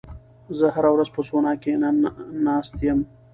زه هره ورځ په سونا کې نه ناست یم.